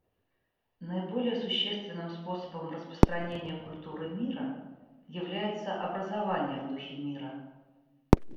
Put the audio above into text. Наиболее существенным способом распространения культуры мира является образование в духе мира.